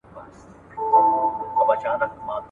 زمري وخوړم کولمې یووړې ګیدړي !.